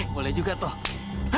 boleh juga tuan